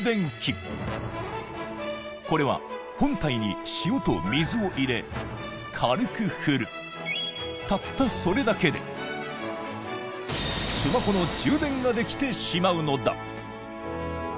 これは本体に塩と水を入れ軽く振るたったそれだけでスマホの充電ができてしまうのだ！